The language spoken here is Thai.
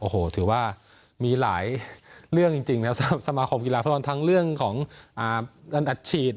โอ้โหถือว่ามีหลายเรื่องจริงนะครับสำหรับสมาคมกีฬาฟุตบอลทั้งเรื่องของเงินอัดฉีด